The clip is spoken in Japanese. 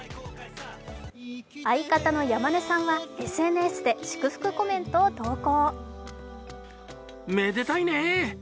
相方の山根さんはＳＮＳで祝福コメントを投稿。